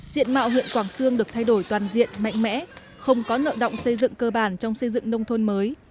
diện mạo huyện quảng sương được thay đổi toàn diện mạnh mẽ không có nợ động xây dựng cơ bản trong xây dựng nông thôn mới